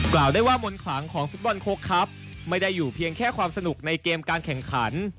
กล่าวได้ว่ามนต์ขลังของฟุตบอลโค้กครับไม่ได้อยู่เพียงแค่ความสนุกในเกมการแข่งขัน